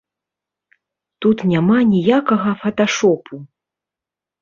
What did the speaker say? Тут няма ніякага фаташопу.